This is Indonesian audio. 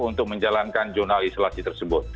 untuk menjalankan jurnal isolasi tersebut